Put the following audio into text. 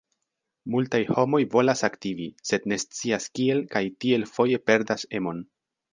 Multaj homoj volas aktivi, sed ne scias kiel kaj tiel foje perdas emon.